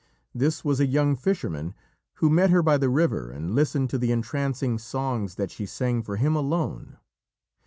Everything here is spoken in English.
This was a young fisherman, who met her by the river and listened to the entrancing songs that she sang for him alone.